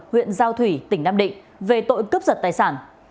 huyện giao thủy tỉnh nam định về tội cướp giật tài sản